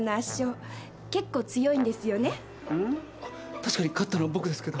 確かに勝ったのは僕ですけど。